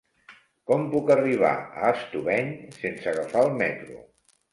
Com puc arribar a Estubeny sense agafar el metro?